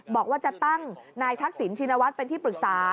บอกว่าจะตั้งนายทักษิณชินวัฒน์เป็นที่ปรึกษา